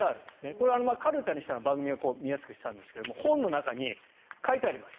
これはかるたに番組が見やすくしたんですが本の中に書いてあります。